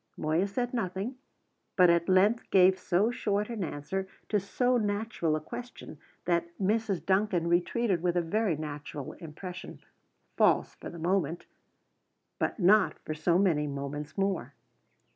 Moya said nothing; but at length gave so short an answer to so natural a question that Mrs. Duncan retreated with a very natural impression, false for the moment, but not for so many moments more.